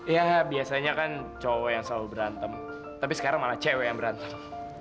ya biasanya kan cowok yang selalu berantem tapi sekarang malah cewek yang berantem